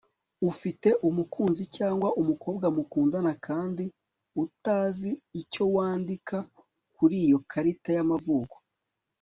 ufite umukunzi cyangwa umukobwa mukundana kandi utazi icyo wandika kuri iyo karita y'amavuko